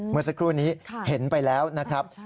เมื่อสักครู่นี้เห็นไปแล้วนะครับ